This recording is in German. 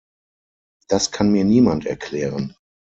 Das kann mir niemand erklären.